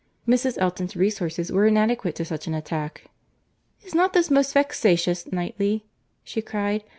Mrs. Elton's resources were inadequate to such an attack. "Is not this most vexatious, Knightley?" she cried.